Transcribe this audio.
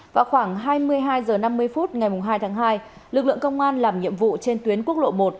vào khoảng hai mươi hai h năm mươi phút ngày hai tháng hai lực lượng công an làm nhiệm vụ trên tuyến quốc lộ một